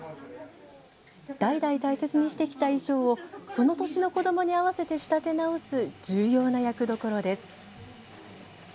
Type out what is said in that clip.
代々、大切にしてきた衣装をその年の子どもに合わせて仕立て直す重要な役どころです。